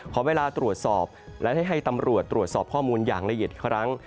ขอเวลาตรวจสอบและได้ให้ตำรวจตรวจสอบข้อมูลอย่างละเอียดอีกครั้ง